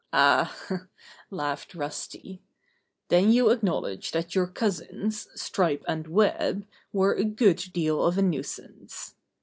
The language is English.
"Ah!" laughed Rusty, "then you acknowl edge that your cousins, Stripe and Web, were a good deal of a nuisance.